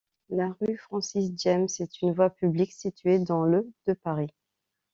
La rue Francis-Jammes est une voie publique située dans le de Paris.